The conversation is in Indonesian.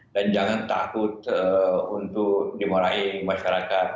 dan jangan takut untuk dimurahi masyarakat